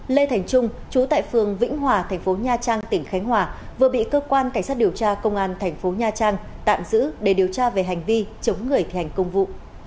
lê thành trung chú tại phường vĩnh hòa thành phố nha trang tỉnh khánh hòa vừa bị cơ quan cảnh sát điều tra công an thành phố nha trang tạm giữ để điều tra về hành vi chống người thi hành công vụ